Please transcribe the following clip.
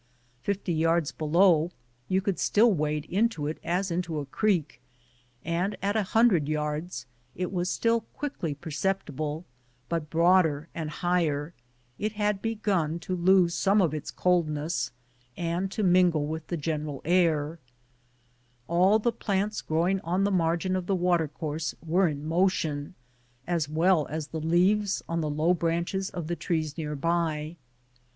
Fifty yards below, you could still wade into it as into a creek, and 252 IN MAMMOTH CAVE at a hundred yards it was still quickly percep tible, but broader and higher; it had begun to lose some of its coldness, and to mingle with the general air; all the plants growing on the margin of the watercourse were in motion, as well as the leaves on the low branches of the trees near by.